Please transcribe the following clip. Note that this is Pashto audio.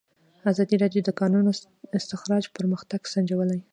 ازادي راډیو د د کانونو استخراج پرمختګ سنجولی.